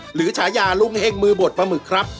หรือชายาลุงเห็งมือบดปลาหมึกครับ